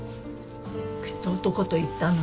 きっと男と行ったのよ。